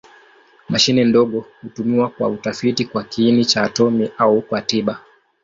Mashine ndogo hutumiwa kwa utafiti kwa kiini cha atomi au kwa tiba.